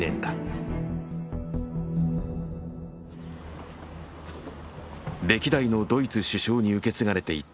歴代のドイツ首相に受け継がれていった東方外交。